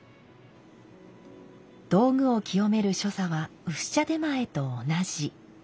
道具を清める所作は薄茶点前と同じ。